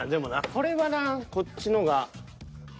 これはなこっちの方が。